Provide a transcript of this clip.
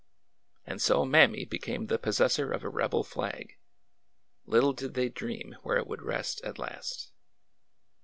And so Mammy became the possessor of a rebel flag. Little did they dream where it would rest at last.